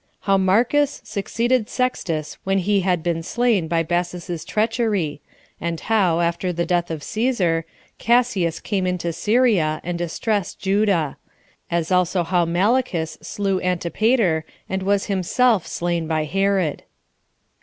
How Marcus, Succeeded Sextus When He Had Been Slain By Bassus's Treachery; And How, After The Death Of Cæsar, Cassius Came Into Syria, And Distressed Judea; As Also How Malichus Slew Antipater And Was Himself Slain By Herod.